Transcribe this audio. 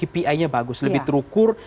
jadi kpi nya bagus lebih terukur